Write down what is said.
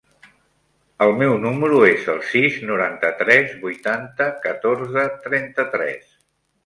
El meu número es el sis, noranta-tres, vuitanta, catorze, trenta-tres.